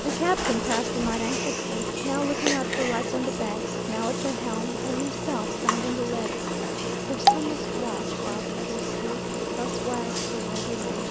The captain passed the night anxiously, now looking out for lights on the Banks, now at the helm, or himself sounding the lead: "For some must watch whilst others sleep; Thus wags the world away."